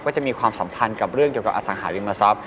จะมีความสัมพันธ์กับเรื่องเกี่ยวกับอสังหาริมทรัพย